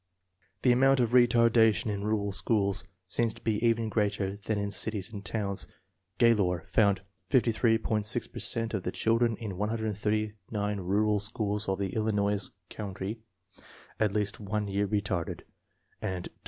1 The amount of retardation in rural schools seems to be even greater than in cities and towns. Gaylor found 53.6 per cent of the children in 139 rural schools of an Illinois county at least one year retarded, and 28.